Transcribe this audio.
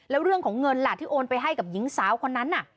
แล้วเรื่องของเงินล่ะที่โอนไปให้กับหญิงสาวคนนั้น